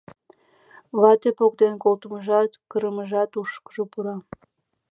Вате поктен колтымыжат, кырымыжат ушышкыжо пура.